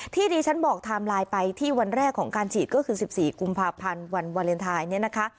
ที่ดิฉันบอกไทม์ไลน์ไปที่วันแรกของการฉีดก็คือ๑๔กุมภาพันธ์วันวาเลนไทยเนี่ยนะคะ